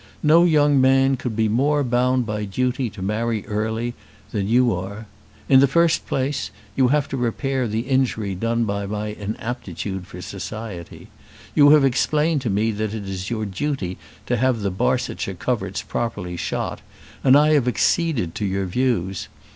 No young man could be more bound by duty to marry early than you are. In the first place you have to repair the injury done by my inaptitude for society. You have explained to me that it is your duty to have the Barsetshire coverts properly shot, and I have acceded to your views.